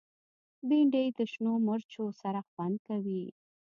بېنډۍ د شنو مرچو سره خوند کوي